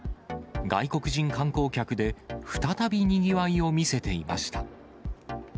外国人観光客で再びにぎわいを見せていました。